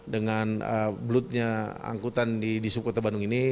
dengan belutnya angkutan di subkota bandung ini